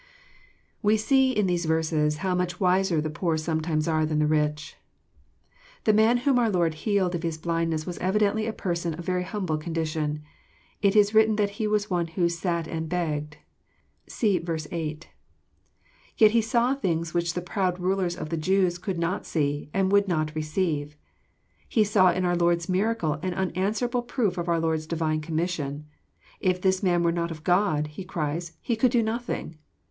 We see in these verses how much wiser the poor some times are than the rich. The man whom oar Lord healed of his blindness was evidently a person of very humble condition. It is written that he was one who " sat and begged." (See v. 8.) Yet he saw things uhieh the proud rulers of the Jews could not see, and would not receive. He saw in our Lord's miracle an unanswerable proof of our Lord's divine commission. " If this Man were not of God," he cries, " He could do nothing."